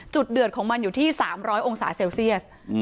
เดือดของมันอยู่ที่๓๐๐องศาเซลเซียส